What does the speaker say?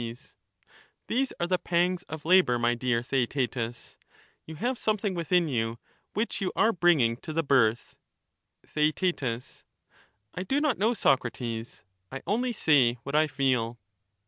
These are the pangs of labour, my dear Theaetetus ; Socrates you have something within you which you are bringing to J^^fi^^^es the birth. ' of labour. Theaet. I do not know, Socrates ; I only say what I feel.